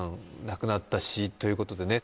亡くなったしということでね